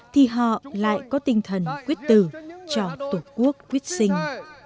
thì họ lại có tinh thần quyết tử cho tổ quốc quyết sinh